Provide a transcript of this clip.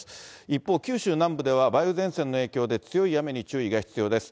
一方、九州南部では梅雨前線の影響で、強い雨に注意が必要です。